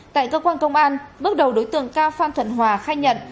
tại cơ quan công an bước đầu đối tượng cao phan thuận hòa khai nhận